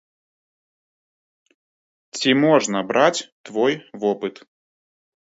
Ці можна браць той вопыт?